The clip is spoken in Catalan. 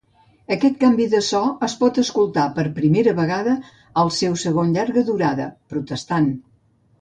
Aquest canvi de so es pot escoltar per primera vegada al seu segon llarga durada, "Protestant".